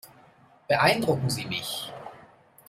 Beeindrucken Sie mich.